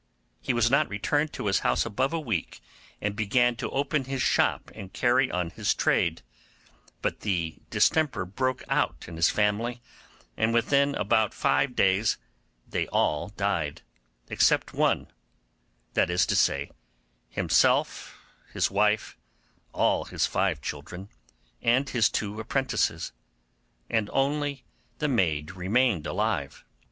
He had not returned to his house above a week, and began to open his shop and carry on his trade, but the distemper broke out in his family, and within about five days they all died, except one; that is to say, himself, his wife, all his five children, and his two apprentices; and only the maid remained alive.